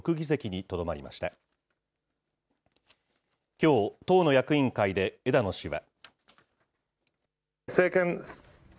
きょう、党の役員会で枝野氏は。